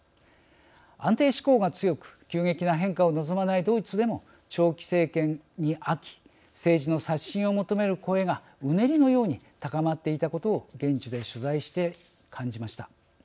安定志向が強く急激な変化を望まないドイツでも長期政権に飽き政治の刷新を求める声がうねりのように高まっていたことを現地で取材して感じました。